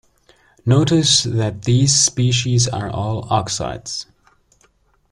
Notice that these species are all oxides.